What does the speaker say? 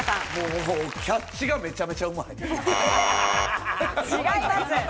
キャッチがめちゃめちゃうまい。